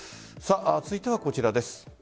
続いてはこちらです。